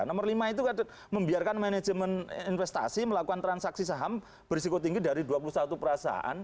nomor lima itu membiarkan manajemen investasi melakukan transaksi saham berisiko tinggi dari dua puluh satu perasaan